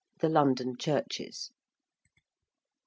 THE LONDON CHURCHES. ~St.